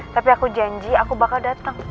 tapi aku janji aku bakal datang